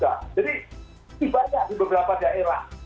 jadi dibayar di beberapa daerah